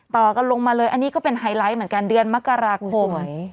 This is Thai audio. ต่อกันลงมาเลยอันนี้ก็เป็นไฮไลท์เหมือนกันเดือนมกราคม